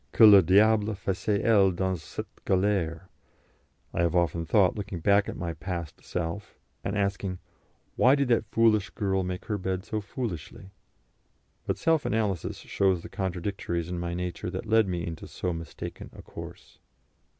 [Que le diable faisait elle dans cette galère,] I have often thought, looking back at my past self, and asking, Why did that foolish girl make her bed so foolishly? But self analysis shows the contradictories in my nature that led me into so mistaken a course.